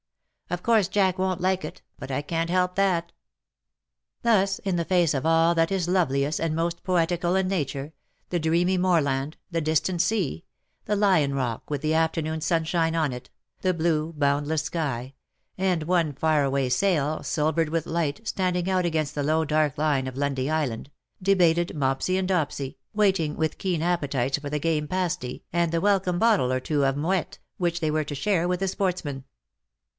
0£ course Jack won^t like it — but I can^t help that/^ Thus, in the face of all that is loveliest and most poetical in Nature — the dreamy moorland — the distant sea — the Lion rock with the afternoon sun shine on it— the blue boundless sky — and one far away sail, silvered with light, standing out against the low dark line of Lundy Island — debated Mopsy and Dopsy, waiting with keen appetites for the game pasty, and the welcome bottle or two of Moet, which they were to share with the sportsmen.